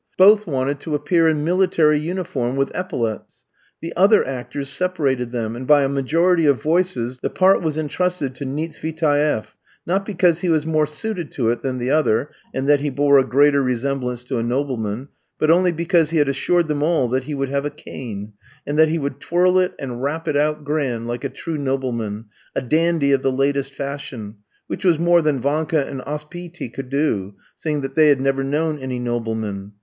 Both wanted to appear in military uniform with epaulettes. The other actors separated them, and, by a majority of voices, the part was entrusted to Nietsvitaeff; not because he was more suited to it than the other, and that he bore a greater resemblance to a nobleman, but only because he had assured them all that he would have a cane, and that he would twirl it and rap it out grand, like a true nobleman a dandy of the latest fashion which was more than Vanka and Ospiety could do, seeing they have never known any noblemen.